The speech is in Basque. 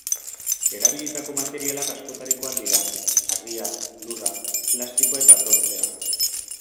Erabilitako materialak askotarikoak dira: harria, lurra, plastikoa eta brontzea.